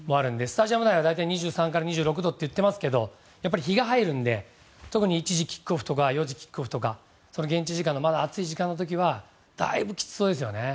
スタジアム内は２３から２６度と言ってますが日が入るので特に１時キックオフとか４時キックオフとか現地時間のまだ暑い時はだいぶきつそうですね。